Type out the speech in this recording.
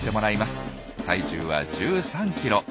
体重は１３ｋｇ。